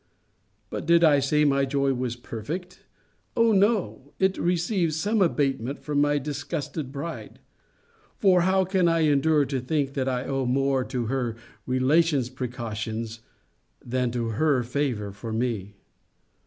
But did I say my joy was perfect? O no! It receives some abatement from my disgusted bride. For how can I endure to think that I owe more to her relations' precautions than to her favour for me?